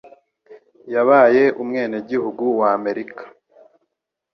Yabaye umwenegihugu wa Amerika.